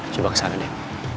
coba kesana deh